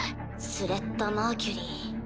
スレッタ・マーキュリー。